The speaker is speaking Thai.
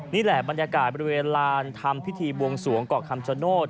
นี่แหละบรรยากาศบริเวณลานทำพิธีบวงสวงเกาะคำชโนธ